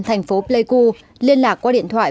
thành phố pleiku liên lạc qua điện thoại